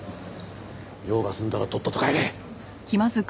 用が済んだらとっとと帰れ。